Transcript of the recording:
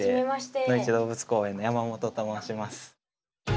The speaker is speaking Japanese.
のいち動物公園の山本と申します。